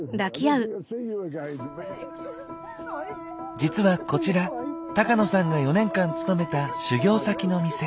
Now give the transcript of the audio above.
実はこちら高野さんが４年間勤めた修業先の店。